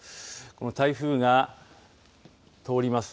この台風が通ります。